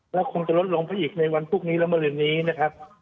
แล้วคงจะลดลงไปอีกในวันพรุ่งนี้และมารืนนี้นะครับ